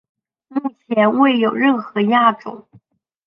目前未有任何亚种。